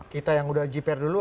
kita yang udah gpr dulu